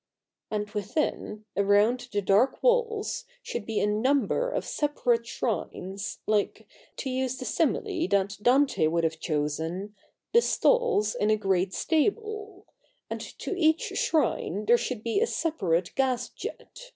And within, around the dark walls, should be a number of separate shrines, like — ^to use the simile that Dante would have chosen — the stalls in a great stable ; and to each shrine there should be a separate gas jet.